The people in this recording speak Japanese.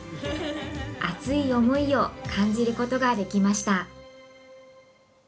熱い思いを感じることができました。